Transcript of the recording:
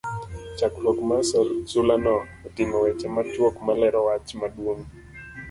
chakruok mar sulano otingo weche machuok ma lero wach maduong'